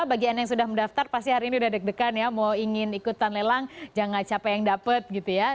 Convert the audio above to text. bagi anda yang sudah mendaftar pasti hari ini udah deg degan ya mau ingin ikutan lelang jangan capek yang dapat gitu ya